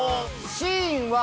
シーンは。